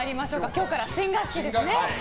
今日から新学期ですね。